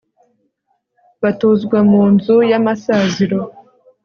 batuzwa mu nzu y amasaziro